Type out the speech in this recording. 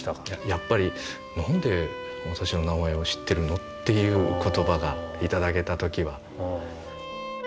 やっぱり「何で私の名前を知ってるの？」っていう言葉が頂けた時は。